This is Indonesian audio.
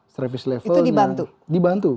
service levelnya itu dibantu dibantu